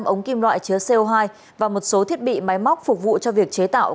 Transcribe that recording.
ba trăm sáu mươi năm ống kim loại chứa co hai và một số thiết bị máy móc phục vụ cho việc chế tạo